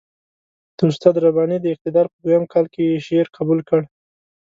د استاد رباني د اقتدار په دویم کال کې شعر یې قبول کړ.